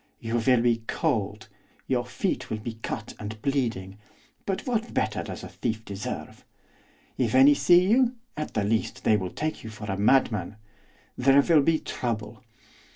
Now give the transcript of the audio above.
You will be cold, your feet will be cut and bleeding, but what better does a thief deserve? If any see you, at the least they will take you for a madman; there will be trouble.